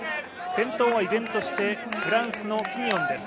先頭は依然としてフランスのキニオンです。